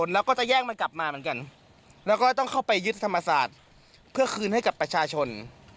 และก็ต้องเข้าไปยึดธรรมศาสตร์เพื่อคืนให้กับประชาชน